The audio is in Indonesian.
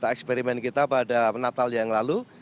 eksperimen kita pada natal yang lalu